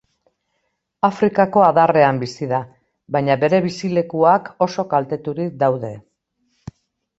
Afrikako Adarrean bizi da, baina bere bizilekuak oso kalteturik daude.